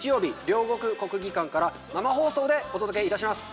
両国・国技館から生放送でお届けいたします。